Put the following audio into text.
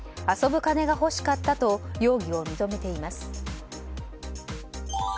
遊ぶ金が欲しかったと容疑を認めています。